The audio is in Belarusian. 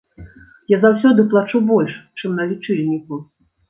Я заўсёды плачу больш, чым на лічыльніку.